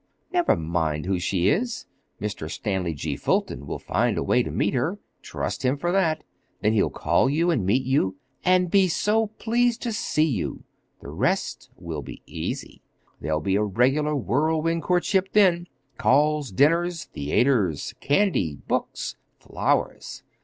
Never mind who she is—Mr. Stanley G. Fulton will find a way to meet her. Trust him for that! Then he'll call and meet you—and be so pleased to see you! The rest will be easy. There'll be a regular whirlwind courtship then—calls, dinners, theaters, candy, books, flowers!